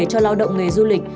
cho lao động nghề du lịch